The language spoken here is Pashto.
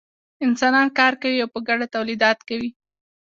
انسانان کار کوي او په ګډه تولیدات کوي.